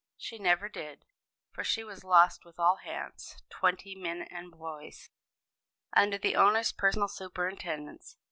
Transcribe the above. She never did, for she was lost with all hands twenty men and boys." Under the owner's personal superintendence!